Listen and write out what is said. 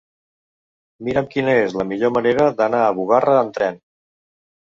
Mira'm quina és la millor manera d'anar a Bugarra amb tren.